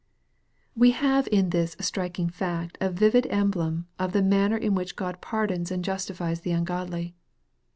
We have in this striking fact a vivid emblem of the manner in which God pardons and justifies the ungodly.